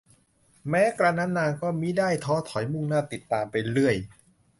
แม้กระนั้นนางก็มิได้ท้อถอยมุ่งหน้าติดตามไปเรื่อย